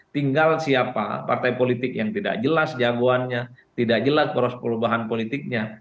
tinggal siapa partai politik yang tidak jelas jagoannya tidak jelas poros perubahan politiknya